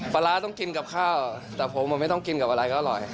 ปลาร้าต้องกินกับข้าวแต่ผมไม่ต้องกินกับอะไรก็อร่อย